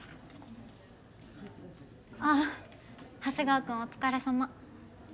あっ長谷川君お疲れさま。